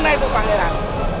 mana itu pangeran